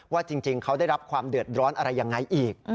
ว่าจริงเขาได้รับความเดิดดระ้อนอะไรอย่างไรอีก